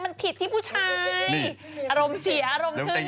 มันผิดที่ผู้ชาย